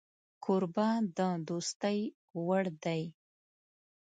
کوربه د دوستۍ وړ دی